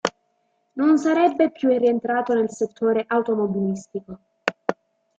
Non sarebbe più rientrato nel settore automobilistico.